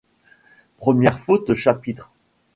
Premières Fautes Chapitre